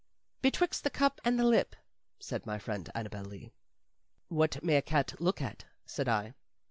"Betwixt the cup and the lip," said my friend Annabel Lee. "What may a cat look at?" said I.